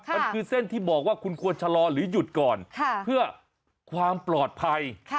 มันคือเส้นที่บอกว่าคุณควรชะลอหรือหยุดก่อนเพื่อความปลอดภัย